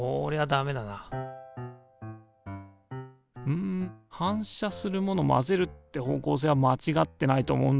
うん反射するもの混ぜるって方向性はまちがってないと思うんだけどな。